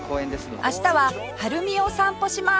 明日は晴海を散歩します